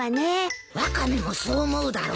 ワカメもそう思うだろ？